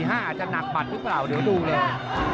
อาจจะหนักหมัดหรือเปล่าเดี๋ยวดูเลย